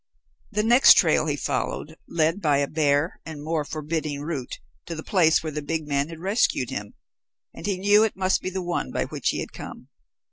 The next trail he followed led by a bare and more forbidding route to the place where the big man had rescued him, and he knew it must be the one by which he had come.